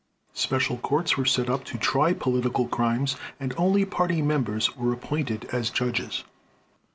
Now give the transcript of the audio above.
Special courts were set up to try political crimes and only party members were appointed as judges.